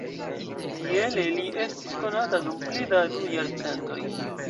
Tiele li estis konata dum pli da du jarcentoj.